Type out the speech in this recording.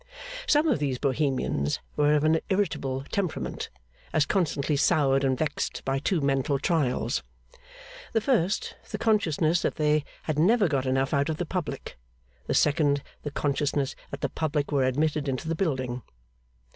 Some of these Bohemians were of an irritable temperament, as constantly soured and vexed by two mental trials: the first, the consciousness that they had never got enough out of the public; the second, the consciousness that the public were admitted into the building.